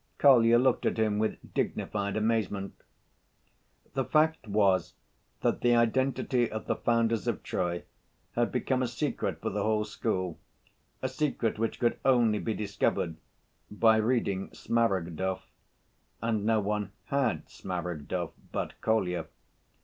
Kolya looked at him with dignified amazement. The fact was that the identity of the founders of Troy had become a secret for the whole school, a secret which could only be discovered by reading Smaragdov, and no one had Smaragdov but Kolya.